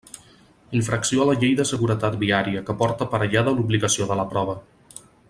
Infracció a la Llei de Seguretat Viària, que porta aparellada l'obligació de la prova.